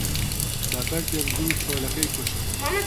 بە بەردێک دوو چۆلەکەی کوشت